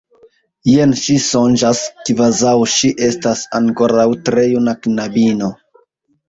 Jen ŝi sonĝas, kvazaŭ ŝi estas ankoraŭ tre juna knabino.